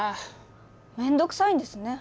面倒くさいんですね。